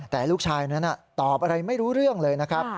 แต่ลูกชายนั้นตอบอะไรไม่รู้เรื่องเลยนะครับ